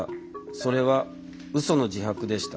それは嘘の自白でした。